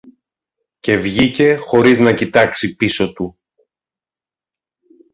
Και βγήκε χωρίς να κοιτάξει πίσω του.